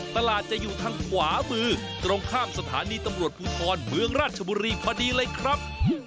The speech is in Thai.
ตลาดจะอยู่ทางขวามือตรงข้ามสถานีตำรวจภูทรเมืองราชบุรีพอดีเลยครับ